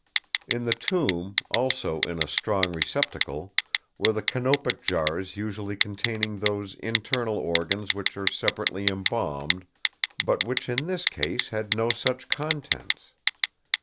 In the tomb, also in a strong receptacle, were the canopic jars usually containing those internal organs which are separately embalmed, but which in this case had no such contents.